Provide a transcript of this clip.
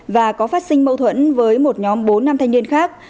và có phát sinh mâu thuẫn với một nhóm bốn nam thanh niên khác